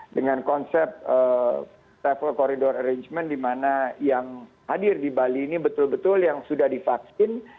dengan konsep travel corridor arrangement di mana yang hadir di bali ini betul betul yang sudah divaksin